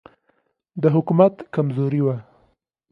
د حکومت کمزوري وه.